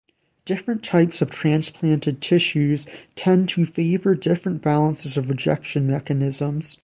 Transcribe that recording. Different types of transplanted tissues tend to favor different balances of rejection mechanisms.